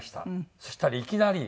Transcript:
そしたらいきなり。